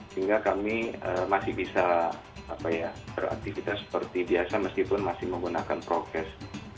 sehingga kami masih bisa beraktivitas seperti biasa meskipun masih menggunakan prokes